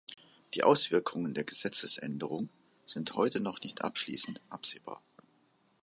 Die Auswirkungen der Gesetzesänderung sind heute noch nicht abschließend absehbar.